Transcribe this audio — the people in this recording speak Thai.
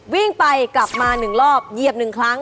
วิ่งไปกลับมา๑รอบเหยียบ๑ครั้ง